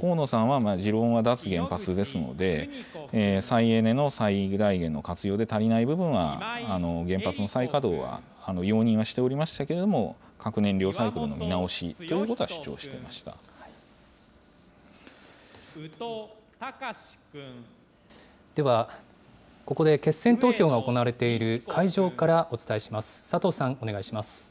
河野さんは持論は脱原発ですので、再エネの最大限の活用で足りない部分は、原発の再稼働は容認はしておりましたけれども、核燃料サイクルの見直しということは、主では、ここで決選投票が行われている会場からお伝えします。